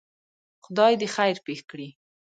خدای دی خیر پېښ کړي.